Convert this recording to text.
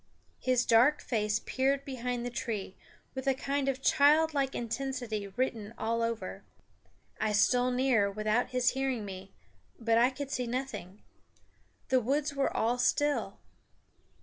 His dark face peered behind the tree with a kind of childlike intensity written all over it. I stole nearer without his hearing me; but I could see nothing. The woods were all still.